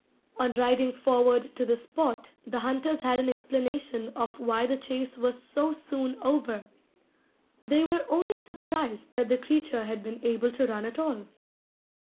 On riding forward to the spot, the hunters had an explanation of why the chase was so soon over. They were only surprised that the creature had been able to run at all.